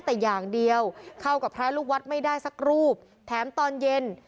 แต่อย่างเดียวเข้ากับพระลูกวัดไม่ได้สักรูปแถมตอนเย็น